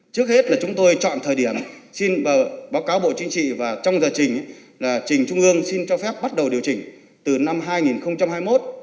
xin báo cáo bộ chính trị và trong giờ trình trình trung ương xin cho phép bắt đầu điều chỉnh từ năm hai nghìn hai mươi một